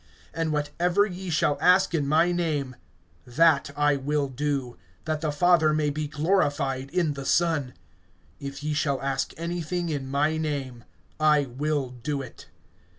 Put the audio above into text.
(13)And whatever ye shall ask in my name, that I will do, that the Father may be glorified in the Son. (14)If ye shall ask anything in my name, I will do it.